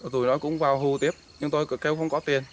tụi nó cũng vào hù tiếp nhưng tôi kêu không có tiền